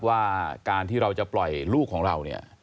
ว่าการที่เราจะปล่อยลูกของเราเนี่ย